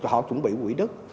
họ chuẩn bị quỹ đất